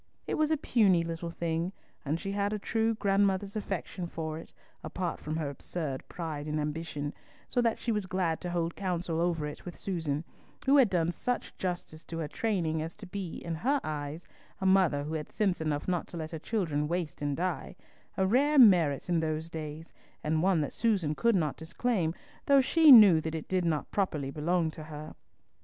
It was a puny little thing, and she had a true grandmother's affection for it, apart from her absurd pride and ambition, so that she was glad to hold counsel over it with Susan, who had done such justice to her training as to be, in her eyes, a mother who had sense enough not to let her children waste and die; a rare merit in those days, and one that Susan could not disclaim, though she knew that it did not properly belong to her.